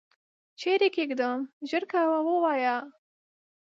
چیري یې کښېږدم ؟ ژر کوه ووایه !